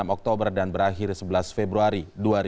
dua puluh enam oktober dan berakhir sebelas februari dua ribu tujuh belas